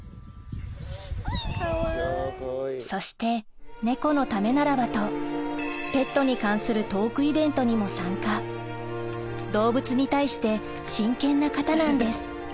そして猫のためならばとペットに関するトークイベントにも参加動物に対して真剣な方なんです